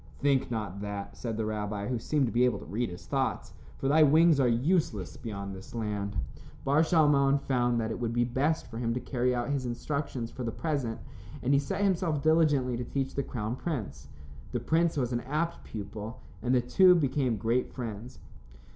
"Think not that," said the rabbi, who seemed to be able to read his thoughts, "for thy wings are useless beyond this land." Bar Shalmon found that it would be best for him to carry out his instructions for the present, and he set himself diligently to teach the crown prince. The prince was an apt pupil, and the two became great friends.